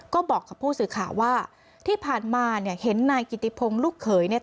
ก็บอกกับผู้สื่อข่าวว่าที่ผ่านมาเนี่ยเห็นนายกิติพงศ์ลูกเขยเนี่ย